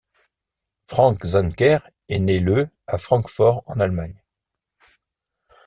Frank Zenker est né le à Francfort, en Allemagne.